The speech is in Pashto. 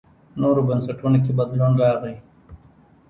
نورو بنسټونو کې بدلون راغی.